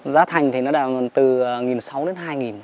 giá thành thì nó là từ một sáu trăm linh đến hai